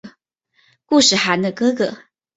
固始汗的哥哥。